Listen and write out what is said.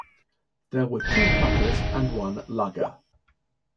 There were two cutters and one lugger.